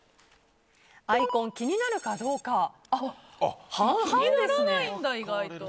アイコン気になるかどうか。